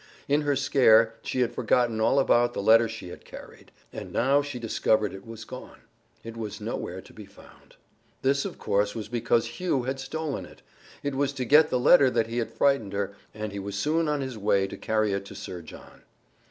In her scare she had forgotten all about the letter she had carried, and now she discovered it was gone. It was nowhere to be found. This, of course, was because Hugh had stolen it. It was to get the letter that he had frightened her, and he was soon on his way to carry it to Sir John.